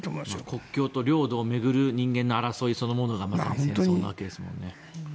国境と領土を巡る人間の争いそのものが戦争なわけですもんね。